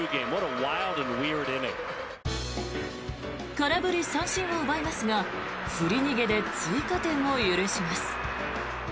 空振り三振を奪いますが振り逃げで追加点を許します。